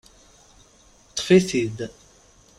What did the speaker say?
Ṭṭef-it-id.